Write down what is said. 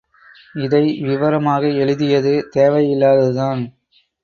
இதை விவரமாக எழுதியது தேவை இல்லாதது தான்.